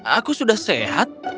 aku sudah sehat